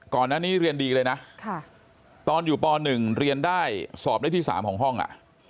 ก่อนนั้นนี่เรียนดีเลยนะค่ะตอนอยู่ปหนึ่งเรียนได้สอบได้ที่สามของห้องอ่ะ